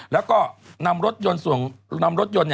แล้วก็นำรถยนต์